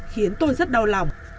khiến tôi rất đau lòng